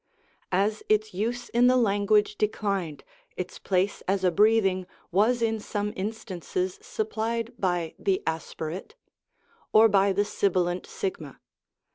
As its use in the language declined, its place as a breathing was in some instances supplied by the aspi rate ('), or by the sibilant a.